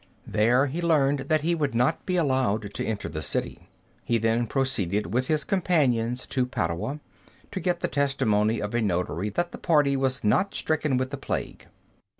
There he learned that he would not be allowed to enter the city. He then proceeded with his companions to Padua, to get the testimony of a notary that the party was not stricken with the plague.